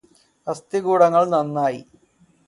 അസ്ഥികൂടങ്ങള് നന്നായ്